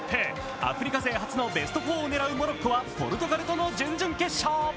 アフリカ勢初のベスト４を狙うモロッコはポルトガルとの準々決勝。